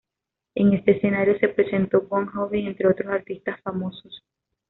En este escenario se presentó Bon Jovi entre otros artistas famosos.